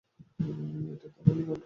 একটা ধারালো লাঠি, এখনই আসছি।